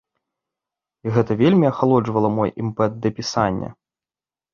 І гэта вельмі ахалоджвала мой імпэт да пісання.